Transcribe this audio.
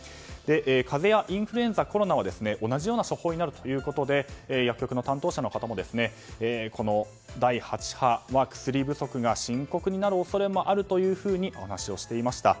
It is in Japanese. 風邪やインフルエンザ、コロナは同じような処方になるということで薬局の担当者の方も第８波は薬不足が深刻になる恐れもあるというふうにお話をしていました。